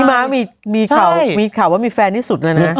แต่พี่ม้ามีข่าวว่ามีแฟนนี่สุดนะ